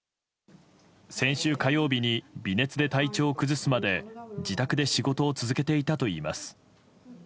先週火曜日に微熱で体調を崩すまで自宅で仕事を続けていたといいます。